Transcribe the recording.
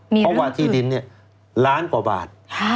เพราะว่าที่ดินเนี่ยล้านกว่าบาท